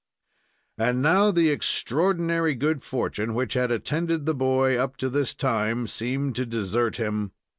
And now the extraordinary good fortune which had attended the boy up to this time seemed to desert him.